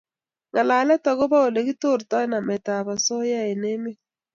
Ngalalet agobo Ole kitortoi nametab osoya eng emet